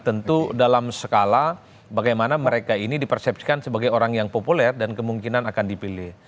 tentu dalam skala bagaimana mereka ini dipersepsikan sebagai orang yang populer dan kemungkinan akan dipilih